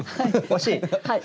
惜しい！